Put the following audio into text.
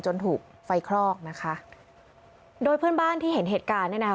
ถูกไฟคลอกนะคะโดยเพื่อนบ้านที่เห็นเหตุการณ์เนี่ยนะคะ